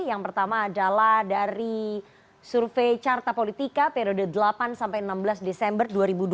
yang pertama adalah dari survei carta politika periode delapan sampai enam belas desember dua ribu dua puluh